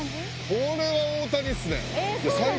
これは大谷っすね